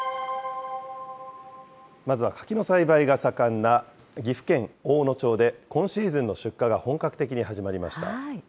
まずは柿の栽培が盛んな、岐阜県大野町で今シーズンの出荷が本格的に始まりました。